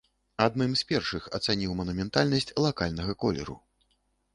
Адным з першых ацаніў манументальнасць лакальнага колеру.